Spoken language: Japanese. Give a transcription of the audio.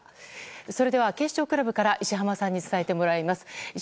それでは警視庁クラブから石浜さんに伝えてもらいます。